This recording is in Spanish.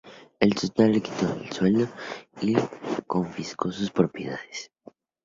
El Sultán le quitó su sueldo y confiscó sus propiedades.